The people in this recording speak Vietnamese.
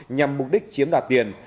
nhằm mục đích chiếm đoạt tiền